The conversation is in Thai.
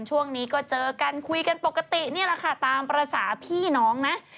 ช่วงนี้ก็เจอกันคุยกันปกตินี่แหละค่ะตามภาษาพี่น้องนะ